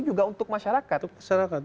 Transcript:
juga untuk masyarakat